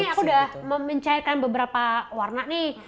iya jadi kan ini aku udah memencetkan beberapa warna nih